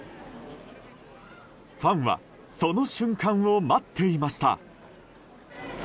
ファンはその瞬間を待っていました。